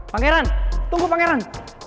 pangeran tunggu pangeran